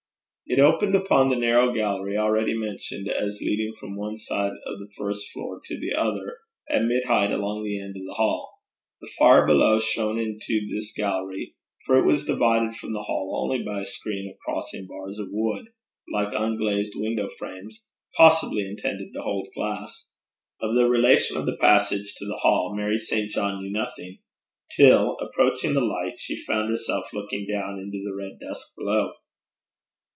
It opened upon the narrow gallery, already mentioned as leading from one side of the first floor to the other at mid height along the end of the hall. The fire below shone into this gallery, for it was divided from the hall only by a screen of crossing bars of wood, like unglazed window frames, possibly intended to hold glass. Of the relation of the passage to the hall Mary St. John knew nothing, till, approaching the light, she found herself looking down into the red dusk below.